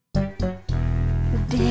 nggak usah kali